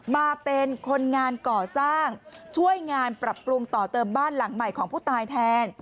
มาเป็นคนงานก่อสร้างช่วยงานปรับปรุงต่อเติมบ้านหลังใหม่ของผู้ตายแทน